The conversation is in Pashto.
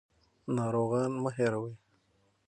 ناروغان مه هېروئ.